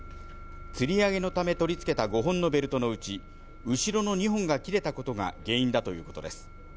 吊り上げのため取り付けた５本のベルトのうち、後ろの２本が切れたことが原因だということです。